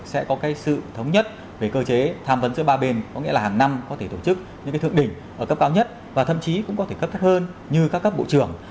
sẽ có cái sự thống nhất về cơ chế tham vấn giữa ba bên có nghĩa là hàng năm có thể tổ chức những cái thượng đỉnh ở cấp cao nhất và thậm chí cũng có thể cấp thấp hơn như các cấp bộ trưởng